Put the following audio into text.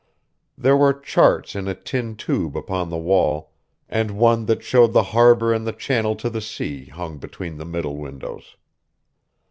There were charts in a tin tube upon the wall, and one that showed the Harbor and the channel to the sea hung between the middle windows.